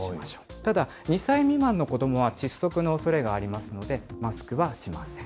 ただ、２歳未満の子どもは窒息のおそれがありますので、マスクはしません。